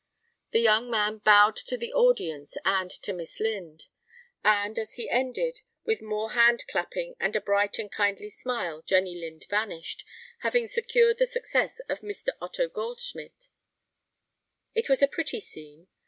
The young man bowed to the audience and to "Miss Lind," and, as he ended, with more hand clapping and a bright and kindly smile Jenny Lind vanished, having secured the success of Mr. Otto Goldschmidt. It was a pretty scene.